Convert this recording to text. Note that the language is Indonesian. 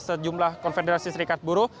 sejumlah konfederasi serikat buruh